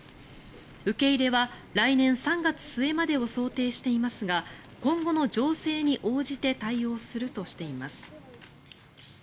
受け入れは来年３月末までを想定していますが今後の情勢に応じて対応するとしています。